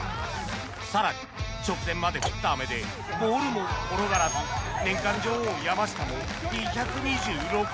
更に直前まで降った雨でボールも転がらず年間女王山下も２２６ヤード